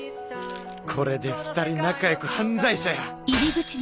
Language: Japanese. これで２人仲良く犯罪者や。